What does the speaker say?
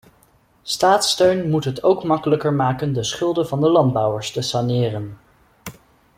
Staatssteun moet het ook makkelijker maken de schulden van de landbouwers te saneren.